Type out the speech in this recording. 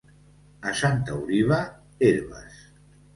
A Santa Oliva, herbes.